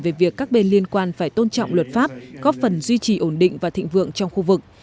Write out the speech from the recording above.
về việc các bên liên quan phải tôn trọng luật pháp góp phần duy trì ổn định và thịnh vượng trong khu vực